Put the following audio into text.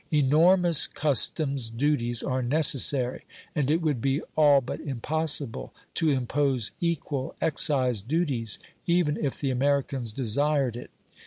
Enormous customs duties are necessary, and it would be all but impossible to impose equal excise duties even if the Americans desired it.